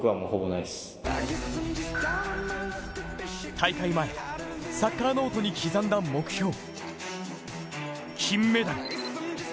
大会前、サッカーノートに刻んだ目標、金メダル。